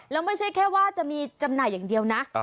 แล้วไม่ใช่แค่ว่าจะมีจำหน่ายอย่างเดียวนะ